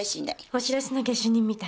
お白州の下手人みたい。